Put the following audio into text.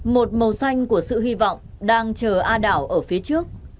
một màu xanh của sự hy vọng đang chờ a đảo ở phía trước